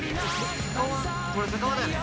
これセカオワだよね。